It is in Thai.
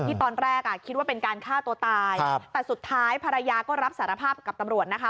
ตอนแรกอ่ะคิดว่าเป็นการฆ่าตัวตายแต่สุดท้ายภรรยาก็รับสารภาพกับตำรวจนะคะ